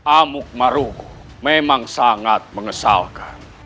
amuk maruku memang sangat mengesalkan